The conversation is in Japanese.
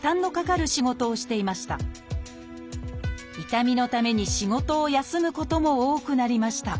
痛みのために仕事を休むことも多くなりました